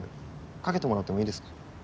掛けてもらってもいいですか？